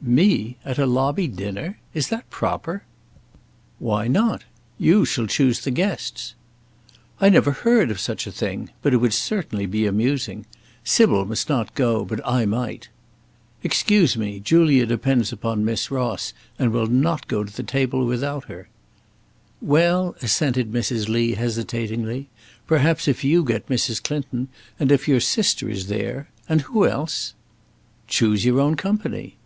"Me! at a lobby dinner! Is that proper?" "Why not? You shall choose the guests." "I never heard of such a thing; but it would certainly be amusing. Sybil must not go, but I might." "Excuse me; Julia depends upon Miss Ross, and will not go to table without her." "Well," assented Mrs. Lee, hesitatingly, "perhaps if you get Mrs. Clinton, and if your sister is there And who else?" "Choose your own company."